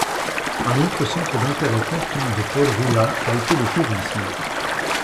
Un autre centre d'intérêt constant de Paul Ruat a été le tourisme.